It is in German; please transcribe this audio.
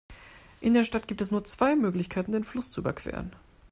In der Stadt gibt es nur zwei Möglichkeiten, den Fluss zu überqueren.